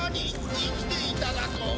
生きていただと！？